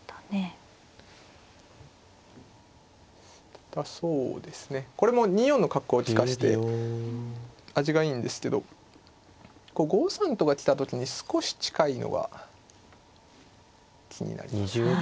ただそうですねこれも２四の角を利かせて味がいいんですけど５三とが来た時に少し近いのは気になりますね。